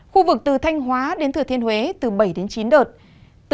khu vực thanh hóa thiên huế bảy đến chín đợt